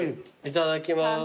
いただきます。